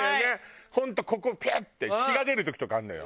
本当ここピューッて血が出る時とかあるのよ。